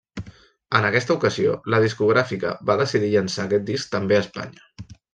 En aquesta ocasió, la discogràfica va decidir llançar aquest disc també a Espanya.